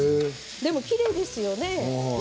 でもきれいですよね。